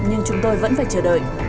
nhưng chúng tôi vẫn phải chờ đợi